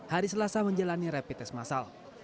hari selasa menjalani repitest masal